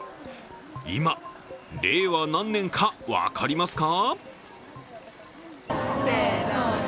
今、令和何年か分かりますか？